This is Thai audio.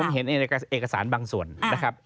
เห็นเอกสารบางส่วนนะครับ